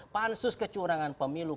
pansus kecurangan pemilu